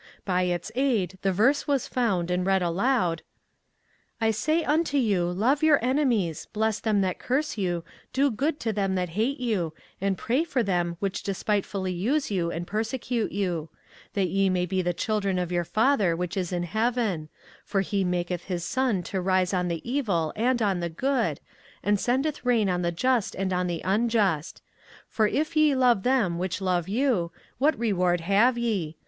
By its aid the verse was found and read aloud :" I say unto you, Love your enemies, bless them that curse you, do good to them that hate you, and pray for them which despitefully use you and perse cute you; that ye may be the children of your Father which is in heaven; for he maketh his sun to rise on the evil and on the good, and sendeth rain on the just and on the unjust. For if ye love them which love you, what reward have ye?